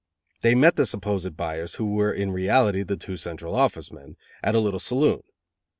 They met the supposed buyers, who were in reality the two Central Office men, at a little saloon.